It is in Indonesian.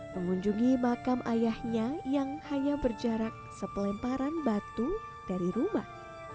mengunjungi makam ayahnya yang hanya berjarak sepelemparan batu dari rumah